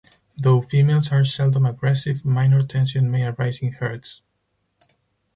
Though females are seldom aggressive, minor tension may arise in herds.